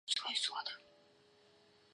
其子苻朗。